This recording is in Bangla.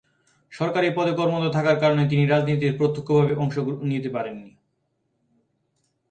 সরকারি পদে কর্মরত থাকার কারণে তিনি রাজনীতিতে প্রত্যক্ষভাবে অংশ নিতে পারেন নি।